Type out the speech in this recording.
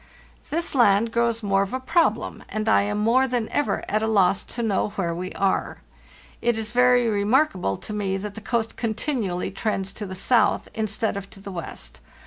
"This land grows more of a problem, and I am more than ever at a loss to know where we are. It Is very remarkable to me that the coast continually trends to the south instead of to the west.